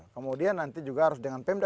kemudian nanti juga harus dengan pemda